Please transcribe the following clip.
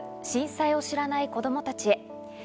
震災を知らない子どもたちへ」。